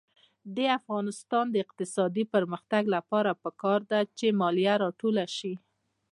د افغانستان د اقتصادي پرمختګ لپاره پکار ده چې مالیه راټوله شي.